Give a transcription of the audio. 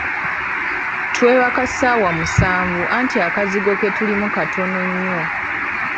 Twebaka ssawa musanvu anti akazigo ketulimu katono nnyo.